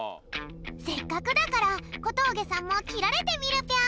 せっかくだから小峠さんもきられてみるぴょん。